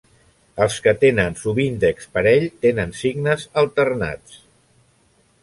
Els que tenen subíndex parell tenen signes alternats.